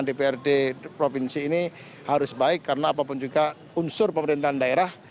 jadi provinsi ini harus baik karena apapun juga unsur pemerintahan daerah